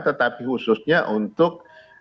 tetapi khususnya untuk